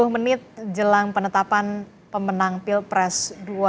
sepuluh menit jelang penetapan pemenang pilpres dua ribu dua puluh empat